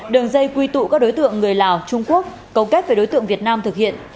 đường dây quy tụ các đối tượng người lào trung quốc cầu kết với đối tượng việt nam thực hiện